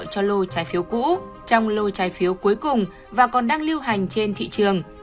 cho lô trái phiếu cũ trong lô trái phiếu cuối cùng và còn đang lưu hành trên thị trường